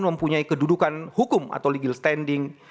mempunyai kedudukan hukum atau legal standing